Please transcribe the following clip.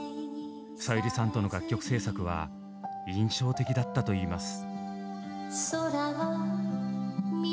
さゆりさんとの楽曲制作は印象的だったと言います。